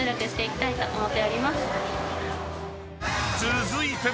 ［続いて］